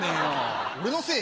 俺のせい？